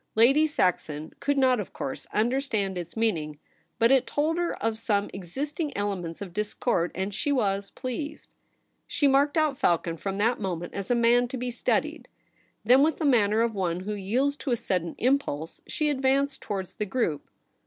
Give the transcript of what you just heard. Lady Saxon could not, of course, understand its meaning; but it told her of some existing elements of discord, and she was pleased. She marked out Falcon from that moment as a man to be studied. Then, with the manner of one who yields to a sudden impulse, she advanced towards the group.